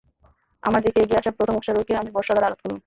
আমার দিকে এগিয়ে আসা প্রথম অশ্বারোহীকে আমি বর্শা দ্বারা আঘাত করলাম।